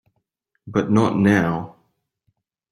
But not now.